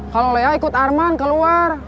kalau lea ikut arman keluar